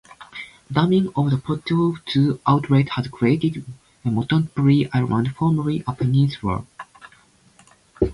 Damming of the Poutu outlet has created Motuopuhi island, formerly a peninsula.